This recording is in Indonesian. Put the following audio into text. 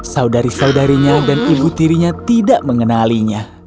saudari saudarinya dan ibu tirinya tidak mengenalinya